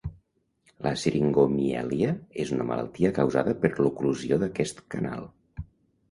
La Siringomièlia és una malaltia causada per l'oclusió d'aquest canal.